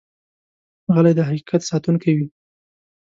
غلی، د حقیقت ساتونکی وي.